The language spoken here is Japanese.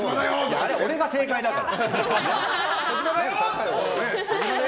あれ、俺が正解だから。